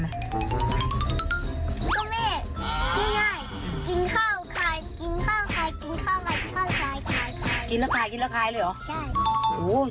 สาย